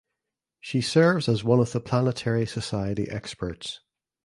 She serves as one of The Planetary Society experts.